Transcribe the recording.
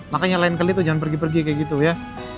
makanya lain kali itu jangan pergi pergi kayak gitu ya